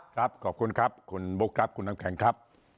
ครับขอบคุณครับคุณบุ๊คครับคุณน้ำแข็งครับ